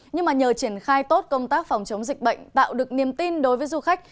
nhưng mà nhờ triển khai tốt công tác phòng chống dịch bệnh tạo được niềm tin đối với du khách